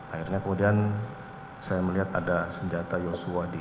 akhirnya kemudian saya melihat ada senjata yosua